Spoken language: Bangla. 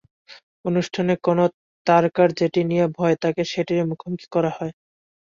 অনুষ্ঠানে কোনো তারকার যেটি নিয়ে ভয়, তাঁকে সেটিরই মুখোমুখি করা হয়।